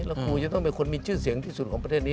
แล้วครูจะต้องเป็นคนมีชื่อเสียงที่สุดของประเทศนี้